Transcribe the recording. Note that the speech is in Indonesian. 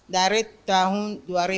dari tahun dua ribu empat belas